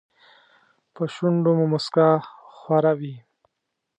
په شونډو مو موسکا خوره وي .